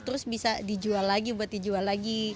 terus bisa dijual lagi buat dijual lagi